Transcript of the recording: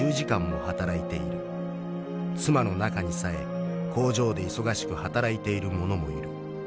妻の中にさえ工場で忙しく働いている者もいる。